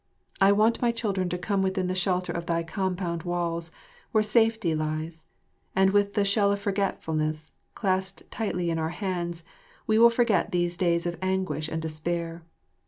I want my children to come within the shelter of thy compound walls, where safety lies; and with the "shell of forgetfulness" clasped tightly in our hands, we will forget these days of anguish and despair.